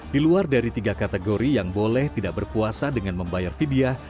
di luar dari tiga kategori yang boleh tidak berpuasa dengan membayar vidyah